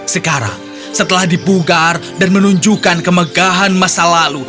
sekarang setelah dibugar dan menunjukkan kemegahan masa lalu